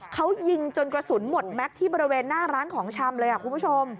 เขายิงจนกระสุนหมดแม็กซ์ที่บริเวณหน้าร้านของชำเลยคุณผู้ชม